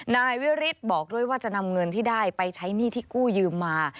นายวิฤทธิ์บอกด้วยว่าจะนำเงินที่ได้ไปใช้หนี้ที่กู้ยืมมา